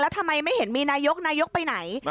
ทำไมไม่เห็นมีนายกนายกไปไหน